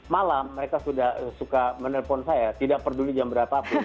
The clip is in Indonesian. malam mereka sudah suka menelpon saya tidak peduli jam berapa pun